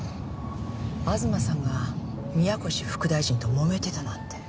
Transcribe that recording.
東さんが宮越副大臣ともめてたなんて。